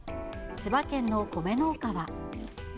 千葉県の米農家は。